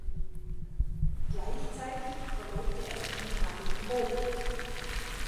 Gleichzeitig verlobte er sich mit Marie Moke.